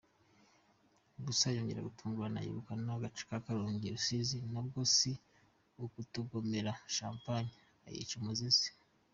Gusa yongera gutungurana yegukana agace ka Karongi-Rusizi nabwo si ukugotomera ‘champagne’ ayica umuzizi.